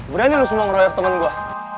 berani lu semua ngeroyok temen gue